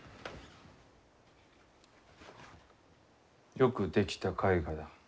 よく出来た絵画だ。